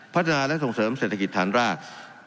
พัฒนาและส่งเสริมเศรษฐกิจฐานราก